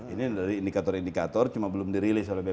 ini dari indikator indikator cuma belum dirilis oleh bpn